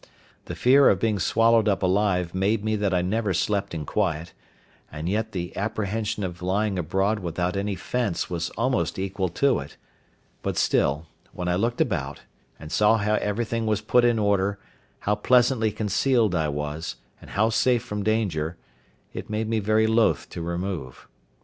The fear of being swallowed up alive made me that I never slept in quiet; and yet the apprehension of lying abroad without any fence was almost equal to it; but still, when I looked about, and saw how everything was put in order, how pleasantly concealed I was, and how safe from danger, it made me very loath to remove.